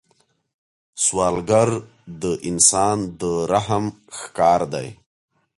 سوالګر د انسان د رحم ښکار دی